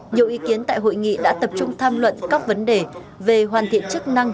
nhiều ý kiến tại hội nghị đã tập trung tham luận các vấn đề về hoàn thiện chức năng